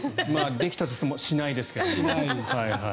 できたとしてもしないですけど。